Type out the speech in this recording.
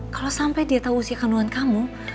kalau sampai dia tahu si kandungan kamu